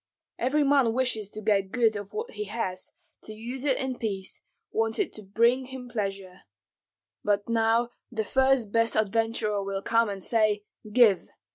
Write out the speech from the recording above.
Every man wishes to get good of what he has, to use it in peace, wants it to bring him pleasure. But now the first best adventurer will come and say, 'Give.'